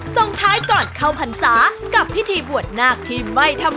ส่งท้ายก่อนเข้าพรรษากับพิธีบวชนาคที่ไม่ธรรมดา